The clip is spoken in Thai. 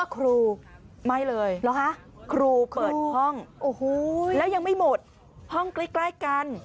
ครูเปิดห้องและยังไม่หมดห้องใกล้กัน